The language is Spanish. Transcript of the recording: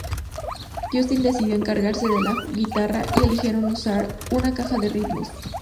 Justin decidió encargarse de la guitarra y eligieron usar una caja de ritmos.